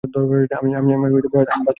আমি বাস্তব জীবনের কথা বলছি।